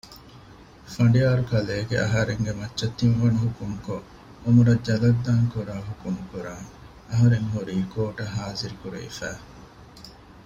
ފަނޑިޔާރުކަލޭނގެ އަހަރެންގެ މައްޗަށް ތިން ވަނަ ޙުކުމްކޮށް ޢުމުރަށް ޖަލަށްދާން ކުރާ ޙުކުމުކުރާން އަހަރެން ހުރީ ކޯޓަށް ޙާޟިރުކުރެވިފަ